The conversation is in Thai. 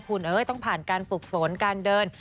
คุณเอ้ยต้องผ่านการฝึกฝนการเดิน